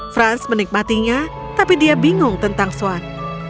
franz menikmatinya tapi dia bingung tentang swan